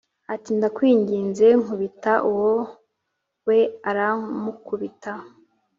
ati ndakwinginze nkubita uwo we aramukubita